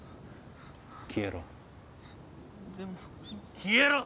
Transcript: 消えろ！